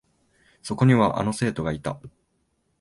そこには、あの生徒がいた。